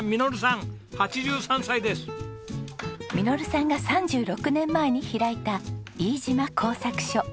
實さんが３６年前に開いた飯島工作所。